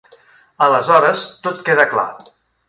Aleshores, tot queda clar.